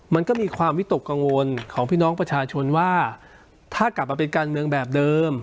มันก็มีความวิตกกังวลของพี่น้องประชาชนว่าถ้ากลับมาเป็นการเมืองแบบเดิม